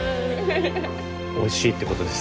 おいしいってことです。